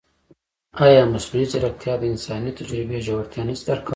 ایا مصنوعي ځیرکتیا د انساني تجربې ژورتیا نه شي درک کولی؟